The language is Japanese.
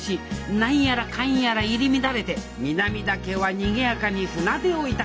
何やらかんやら入り乱れて南田家はにぎやかに船出をいたします。